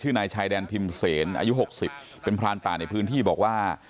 ชื่อนายชายแดนพิมเซนอายุหกสิบเป็นพลานป่าในพื้นที่บอกว่า